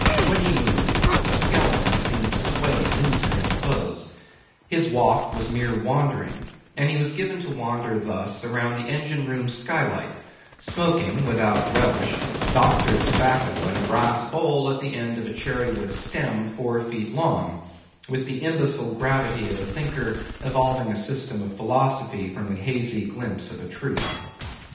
When he moved, a skeleton seemed to sway loose in his clothes; his walk was mere wandering, and he was given to wander thus around the engine room skylight, smoking, without relish, doctored tobacco in a brass bowl at the end of a cherrywood stem four feet long, with the imbecile gravity of a thinker evolving a system of philosophy from the hazy glimpse of a truth.